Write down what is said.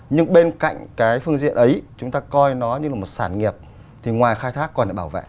nhưng bên cạnh cái phương diện ấy chúng ta coi nó như là một sản nghiệp thì ngoài khai thác còn lại bảo vệ